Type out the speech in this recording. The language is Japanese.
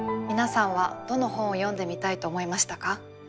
皆さんはどの本を読んでみたいと思いましたか？